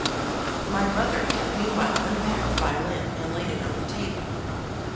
My brother had meanwhile unpacked the violin and laid it on the table.